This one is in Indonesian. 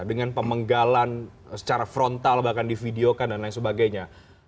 dengan pemenggalan secara frontal bahkan di video kan dan lain sebagainya